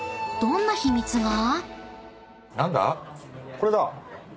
これだ！